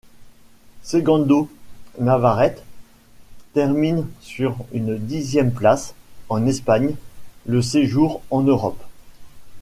Segundo Navarrete termine sur une dixième place, en Espagne, le séjour en Europe.